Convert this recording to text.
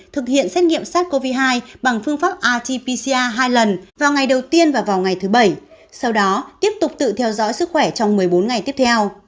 thực hiện xét nghiệm sars cov hai bằng phương pháp rt pcr hai lần vào ngày đầu tiên và vào ngày thứ bảy sau đó tiếp tục tự theo dõi sức khỏe trong một mươi bốn ngày tiếp theo